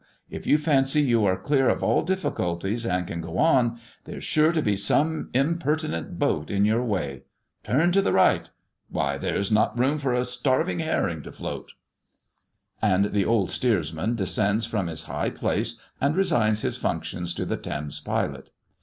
If you fancy you are clear of all difficulties and can go on, there's sure to be some impertinent boat in your way. Turn to the right! Why there's not room for a starved herring to float!" And the old steersman descends from his high place, and resigns his functions to the Thames pilot.